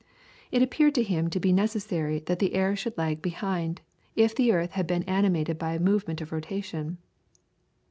It appeared to him to be necessary that the air should lag behind, if the earth had been animated by a movement of rotation.